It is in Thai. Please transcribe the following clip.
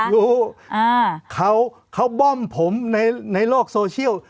รู้เขาบ้อมผมในโลกโซเชียล